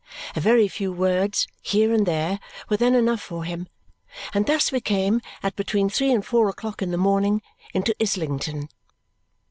A very few words, here and there, were then enough for him; and thus we came, at between three and four o'clock in the morning, into Islington.